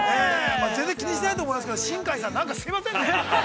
◆全然気にしてないと思いますけど、新海さん、なんか、すいませんね。